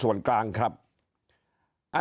ตัวเลขการแพร่กระจายในต่างจังหวัดมีอัตราที่สูงขึ้น